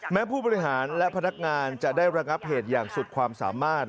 ผู้บริหารและพนักงานจะได้ระงับเหตุอย่างสุดความสามารถ